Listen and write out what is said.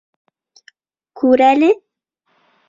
Күрәле?